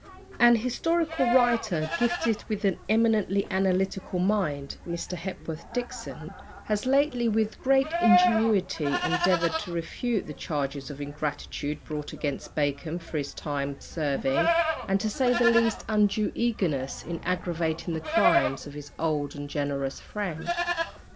An historical writer, gifted with an eminently analytical mind, Mr. Hepworth Dixon, has lately, with great ingenuity, endeavoured to refute the charges of ingratitude brought against Bacon for his time serving and (to say the least) undue eagerness in aggravating the crimes of his old and generous friend.